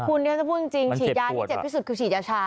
คุณที่ฉันจะพูดจริงฉีดยาที่เจ็บที่สุดคือฉีดยาชา